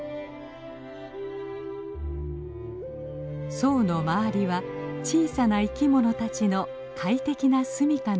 左右の周りは小さな生き物たちの快適な住みかなのです。